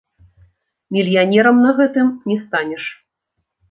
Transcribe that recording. Мільянерам на гэтым не станеш.